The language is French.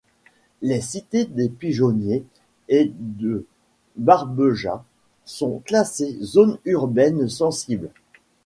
Les cités du Pigeonnier et de Barbejas sont classées zones urbaines sensibles.